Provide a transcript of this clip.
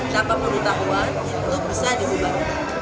tapi pengetahuan itu bisa dibuat